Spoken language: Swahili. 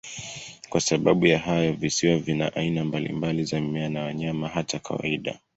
Kwa sababu ya hayo, visiwa vina aina mbalimbali za mimea na wanyama, hata kawaida.